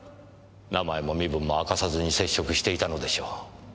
名前も身分も明かさずに接触していたのでしょう。